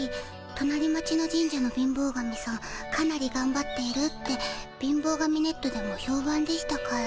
となり町の神社の貧乏神さんかなりがんばっているって貧乏神ネットでもひょうばんでしたから。